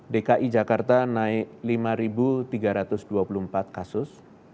dki jakarta naik lima tiga ratus dua puluh empat kasus